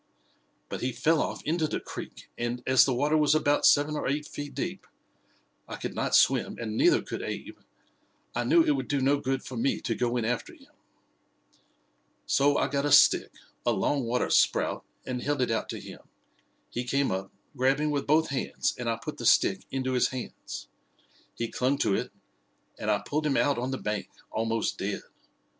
But he fell off into the creek, and, as the water was about seven or eight feet deep (I could not swim, and neither could Abe), I knew it would do no good for me to go in after him. "So I got a stick a long water sprout and held it out to him. He came up, grabbing with both hands, and I put the stick into his hands. He clung to it, and I pulled him out on the bank, almost dead.